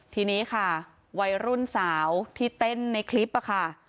ทีนี้ค่ะวัยรุ่นสาวที่เต้นในคลิปค่ะ